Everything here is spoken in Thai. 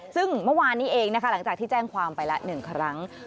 ซึ่งเมื่อวานนี้เองนะคะหลังจากที่แจ้งความไปละ๑ครั้ง